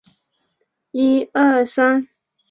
本公司属于东宝实业集团核心公司之一。